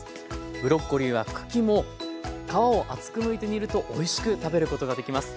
ブロッコリーは茎も皮を厚くむいて煮るとおいしく食べることができます。